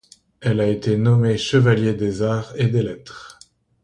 Elle a été nommée Chevalier des Arts et des Lettres.